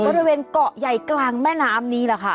บริเวณเกาะใหญ่กลางแม่น้ำนี้แหละค่ะ